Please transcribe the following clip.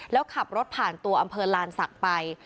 แล้วขับรถผ่านตัวอำเภอลานศักดิ์ไป